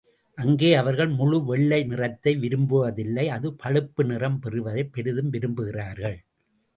அங்கே அவர்கள் முழு வெள்ளை நிறத்தை விரும்புவதில்லை அது பழுப்பு நிறம் பெறுவதைப் பெரிதும் விரும்புகிறார்கள்.